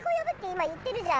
今、言ってるじゃん。